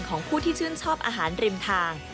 ของผู้ที่ชื่นชอบอาหารริมทาง